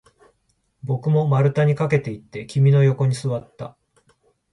僕も丸太に駆けていって、君の横に座った